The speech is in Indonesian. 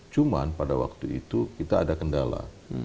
cuma pada waktu itu kita ada kendala